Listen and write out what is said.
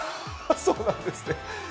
そうなんですね。